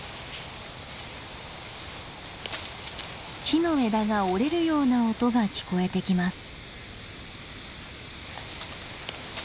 木の枝が折れるような音が聞こえてきます。